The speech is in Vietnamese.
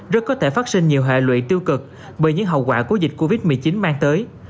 rất có thể phát sinh nhiều hệ lụy tiêu cực bởi những hậu quả của dịch covid một mươi chín mang tới